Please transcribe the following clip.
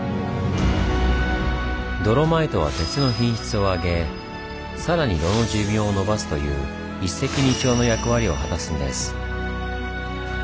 ドロマイトは鉄の品質を上げさらに炉の寿命を延ばすという一石二鳥の役割を果たすんです。